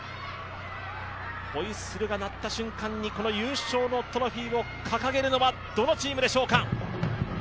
ホイッスルが鳴った瞬間に、優勝のトロフィーを掲げるのはどのチームでしょうか。